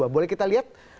boleh kita lihat